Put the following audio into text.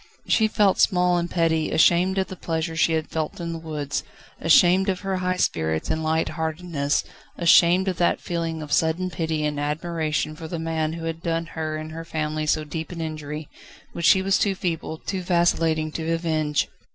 She felt small and petty: ashamed of the pleasure she had felt in the woods, ashamed of her high spirits and light heartedness, ashamed of that feeling of sudden pity and admiration for the man who had done her and her family so deep an injury, which she was too feeble, too vacillating to avenge.